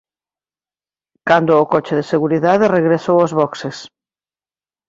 Cando o coche de seguridade regresou aos boxes.